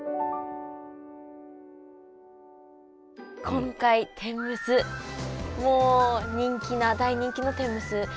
今回天むすもう人気な大人気の天むす。